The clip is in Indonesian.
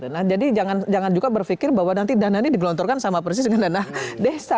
nah jadi jangan juga berpikir bahwa nanti dana ini digelontorkan sama persis dengan dana desa